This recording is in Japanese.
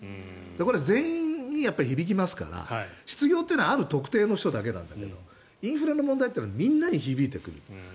これ、全員に響きますから失業っていうのは特定の人だけなんだけどインフレの問題はみんなに響いてくる。